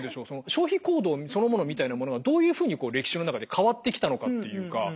消費行動そのものみたいなものがどういうふうに歴史の中で変わってきたのかっていうか。